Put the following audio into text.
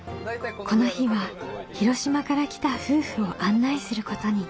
この日は広島から来た夫婦を案内することに。